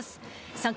３回。